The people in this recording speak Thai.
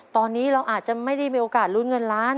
ตอนนี้เราอาจจะไม่ได้มีโอกาสลุ้นเงินล้าน